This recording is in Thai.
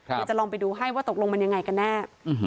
เดี๋ยวจะลองไปดูให้ว่าตกลงมันยังไงกันแน่